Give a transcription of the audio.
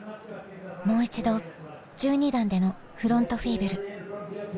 もう一度１２段でのフロントフィーブル。